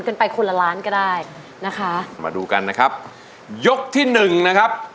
เป็นคนละล้านก็ได้นะคะมาดูกันนะครับยกที่หนึ่งนะครับ